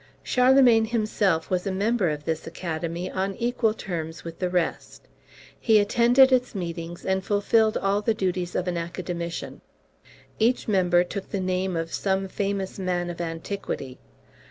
Charlemagne himself was a member of this academy on equal terms with the rest. He attended its meetings, and fulfilled all the duties of an academician. Each member took the name of some famous man of antiquity.